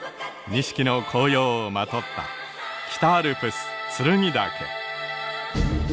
錦の紅葉をまとった北アルプス剱岳。